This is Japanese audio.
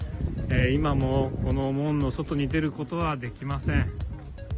今も、この門の外に出ることはできません。